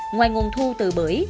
ngoài nguồn thu từ bưởi